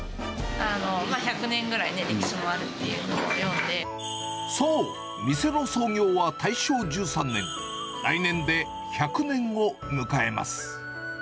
１００年ぐらいね、歴史があそう、店の創業は大正１３年、来年で１００年を迎えます。